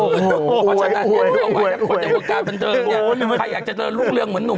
โห้นุ้มคือโทรศัพท์ครึ่งเดียวนะ